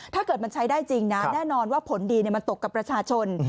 ถ้าเกิดมันใช้ได้จริงนะแน่นอนว่าผลดีมันตกกับประชาชน